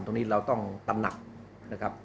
ตรงนี้เราต้องตระหนักนะครับ